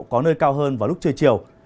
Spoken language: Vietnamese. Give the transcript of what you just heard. có nơi cao hơn vào lúc trưa chiều